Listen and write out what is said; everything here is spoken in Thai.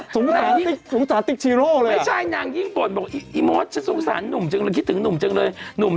แต่เมื่อวานฟังเพลงนางแล้วชอบ